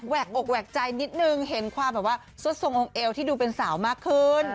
อกแหวกใจนิดนึงเห็นความแบบว่าสุดทรงองค์เอวที่ดูเป็นสาวมากขึ้น